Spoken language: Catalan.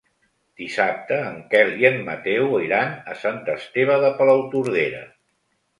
Dissabte en Quel i en Mateu iran a Sant Esteve de Palautordera.